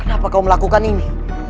kenapa kau melakukan ini